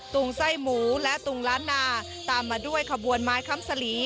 งไส้หมูและตุงล้านนาตามมาด้วยขบวนไม้คำสลี